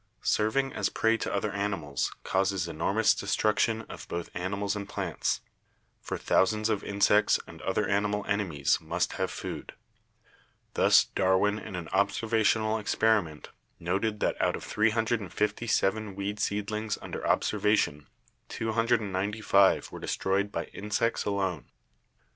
Serving as prey to other animals causes enormous destruction of both animals and plants, for thou sands of insects and other animal enemies must have food. Thus Darwin in an observational experiment noted that out of 357 weed seedlings under observation 295 were de stroyed by insects alone.